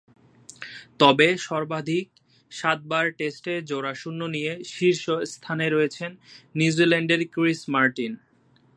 তবে, সর্বাধিক সাতবার টেস্টে জোড়া শূন্য নিয়ে শীর্ষস্থানে রয়েছেন নিউজিল্যান্ডের ক্রিস মার্টিন।